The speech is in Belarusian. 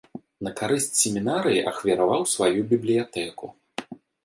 На карысць семінарыі ахвяраваў сваю бібліятэку.